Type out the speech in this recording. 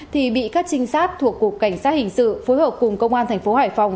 thì bị các trinh sát thuộc cục cảnh sát hình sự phối hợp cùng công an tp hải phòng